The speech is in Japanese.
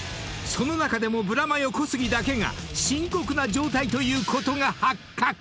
その中でもブラマヨ小杉だけが深刻な状態ということが発覚！］